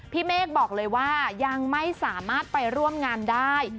เมฆบอกเลยว่ายังไม่สามารถไปร่วมงานได้